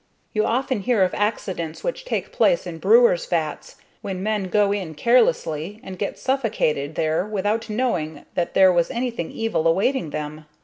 You often hear of accidents which take place in brewers' vats when men go in carelessly, and get suffocated there without knowing that there was anything evil awaiting them.